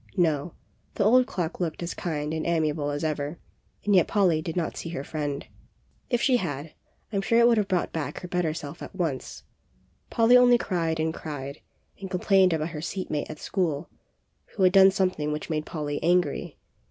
No, the old clock looked as kind and ami able as ever, and yet Polly did not see her friend. If she had, I am sure it would have brought back her better self at once. Polly only cried and cried, and complained about her seat mate at school, who had done some thing which made Polly angry.